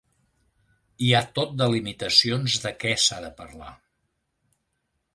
Hi ha tot de limitacions de què s’ha de parlar.